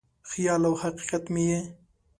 خیال او حقیقت مې یې